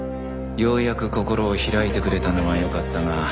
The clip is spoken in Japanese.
ようやく心を開いてくれたのはよかったが